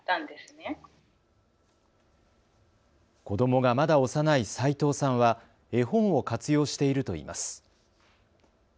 子どもがまだ幼い齋藤さんは絵本を活用しているといいます。